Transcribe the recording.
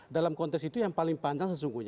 dalam konteks itu yang paling panjang sesungguhnya